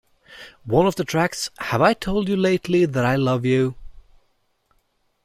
One of the tracks, Have I Told You Lately That I Love You?